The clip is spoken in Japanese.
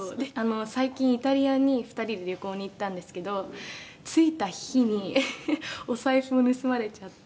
「最近イタリアに２人で旅行に行ったんですけど着いた日にお財布を盗まれちゃって」